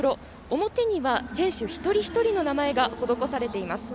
表には、選手一人一人の名前が施されています。